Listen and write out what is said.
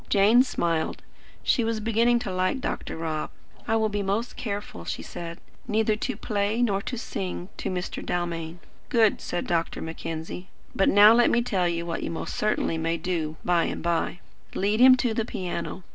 Jane smiled. She was beginning to like Dr. Rob. "I will be most careful," she said, "neither to play nor to sing to Mr. Dalmain." "Good," said Dr. Mackenzie. "But now let me tell you what you most certainly may do, by and by. Lead him to the piano.